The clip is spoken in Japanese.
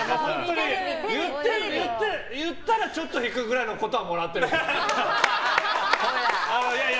言ったらちょっと引くくらいのことはもらってますよ。